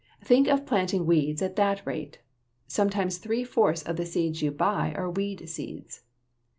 Think of planting weeds at that rate! Sometimes three fourths of the seeds you buy are weed seeds.